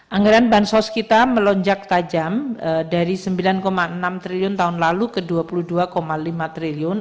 anggaran bansos kita melonjak tajam dari rp sembilan enam triliun tahun lalu ke rp dua puluh dua lima triliun